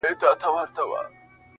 پاته له جهانه قافله به تر اسمانه وړم,